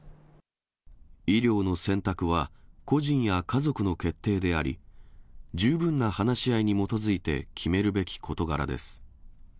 医療の選択は、個人や家族の決定であり、十分な話し合いに基づいて決めるべき事柄です。